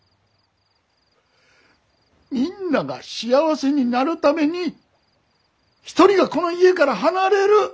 みんなが幸せになるために１人がこの家から離れる。